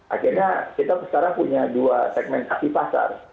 akhirnya kita sekarang punya dua segmen sapi pasar